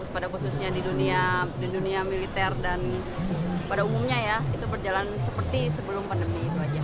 pada khususnya di dunia militer dan pada umumnya ya itu berjalan seperti sebelum pandemi itu aja